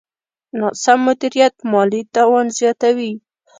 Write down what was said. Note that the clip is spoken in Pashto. ناسم مدیریت مالي تاوان زیاتوي.